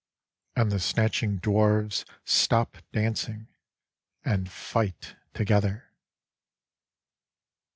. And the snatching dwarves stop dancing — and fight together.